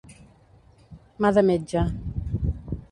Mà de metge.